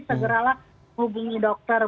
segeralah hubungi dokter